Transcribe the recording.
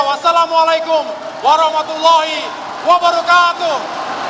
wassalamualaikum warahmatullahi wabarakatuh